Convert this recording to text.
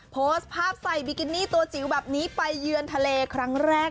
โพสต์ภาพใส่บิกินี่ตัวจิ๋วแบบนี้ไปเยือนทะเลครั้งแรก